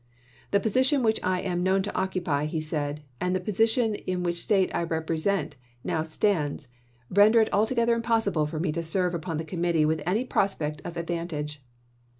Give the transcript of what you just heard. " The position which I am known to occupy," he said, " and the position in which the State I represent now stands, render it altogether impossible for me to serve upon that Committee with any prospect of advan tage."